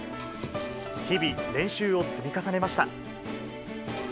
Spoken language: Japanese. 日々、練習を積み重ねました。